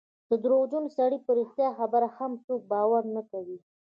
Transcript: د درواغجن سړي په رښتیا خبره هم څوک باور نه کوي.